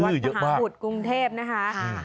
อือเยอะมากวันสหาผุดกรุงเทพนะคะค่ะ